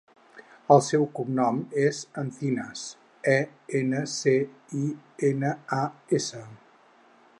El seu cognom és Encinas: e, ena, ce, i, ena, a, essa.